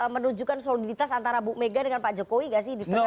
menunjukkan soliditas antara bu mega dengan pak jokowi nggak sih